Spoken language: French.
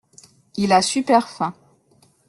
Il a super faim.